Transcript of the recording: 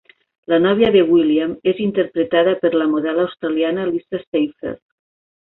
La nòvia de Williams és interpretada per la model australiana Lisa Seiffert.